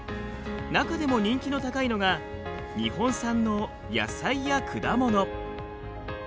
中でも人気の高いのが日本産の野菜や果物。